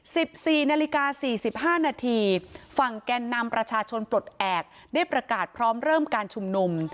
สิบสี่นาฬิกาสี่สิบห้านาทีฝั่งแกนนำประชาชนปลดแอบได้ประกาศพร้อมเริ่มการชุมนุม